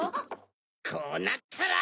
こうなったら！